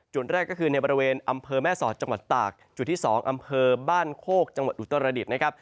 แรกก็คือในบริเวณอำเภอแม่สอดจังหวัดตากจุดที่๒อำเภอบ้านโคกจังหวัดอุตรดิษฐ์นะครับ